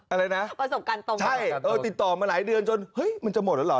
อะไรนะใช่ติดต่อมาหลายเดือนจนมันจะหมดแล้วเหรอ